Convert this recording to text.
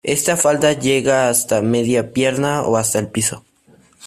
Esta falda llega hasta media pierna o hasta el piso.